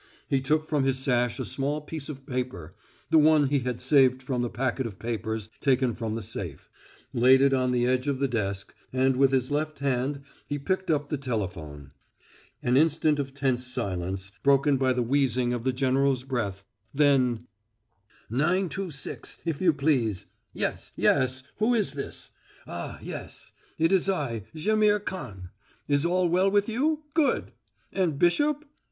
He took from his sash a small piece of paper the one he had saved from the packet of papers taken from the safe laid it on the edge of the desk, and with his left hand he picked up the telephone. An instant of tense silence, broken by the wheezing of the general's breath, then "Nine two six, if you please. Yes yes, who is this? Ah, yes. It is I, Jaimihr Khan. Is all well with you? Good! And Bishop?